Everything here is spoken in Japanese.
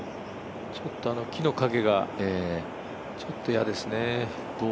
ちょっと木の影がちょっと嫌ですね。